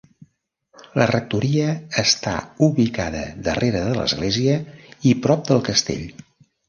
La rectoria està ubicada darrere de l'església i prop del castell.